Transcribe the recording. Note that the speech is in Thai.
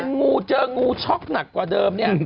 เห็นโง่เจอโง่ช็อคหนักกว่าเดิม